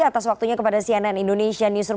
atas waktunya kepada cnn indonesia newsroom